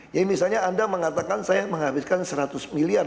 jadi misalnya anda mengatakan saya menghabiskan seratus miliar